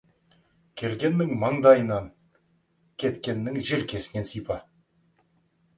Келгеннің мандайынан, кеткеннің желкесінен сипа.